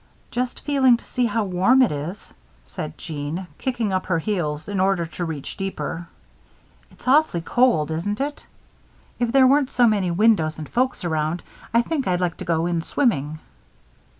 "Just feeling to see how warm it is," said Jeanne, kicking up her heels in order to reach deeper. "It's awfully cold, isn't it? If there weren't so many windows and folks around, I think I'd like to go in swimming."